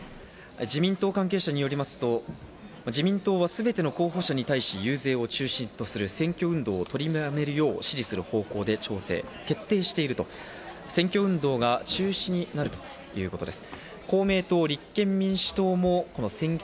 自民党関係者によりますと、自民党はすべての候補者に対し、遊説を中止とし、選挙運動を取りやめるよう指示する方向で調整、決定していると選挙運動が中止になるということです。